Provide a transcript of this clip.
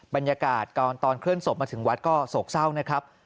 บรรยากาศตอนเคลื่อนศพมาถึงวัดก็โศกเศร้านะครับ